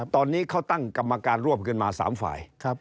ตอนนี้เขาตั้งกรรมการร่วมกันมา๓ฝ่าย